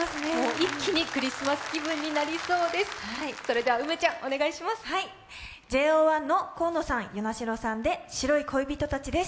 一気にクリスマス気分になりそうです。